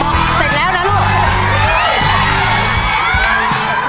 เสร็จแล้วนะลูก